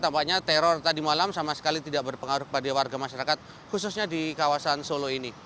tampaknya teror tadi malam sama sekali tidak berpengaruh kepada warga masyarakat khususnya di kawasan solo ini